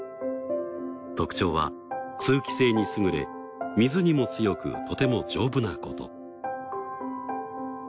特徴は通気性に優れ水にも強くとても丈夫なこと。